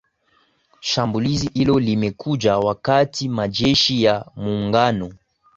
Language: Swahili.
shambulizi hilo limekuja wakati majeshi ya muungano